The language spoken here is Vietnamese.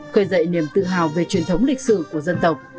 khởi dậy niềm tự hào về truyền thống lịch sử của dân tộc